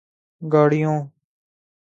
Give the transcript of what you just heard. گاڑیوں